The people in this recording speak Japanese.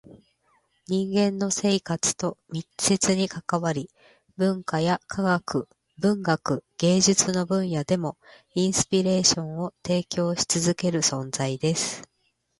人間の生活と密接に関わり、文化や科学、文学、芸術の分野でもインスピレーションを提供し続ける存在です。